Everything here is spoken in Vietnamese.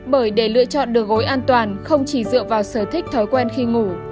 bởi để lựa chọn được gối an toàn không chỉ dựa vào sở thích thói quen khi ngủ